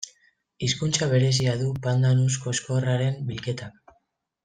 Hizkuntza berezia du pandanus koxkorraren bilketak.